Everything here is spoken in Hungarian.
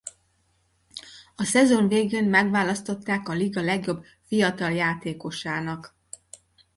A szezon végén megválasztották a liga legjobb iatal játékosának.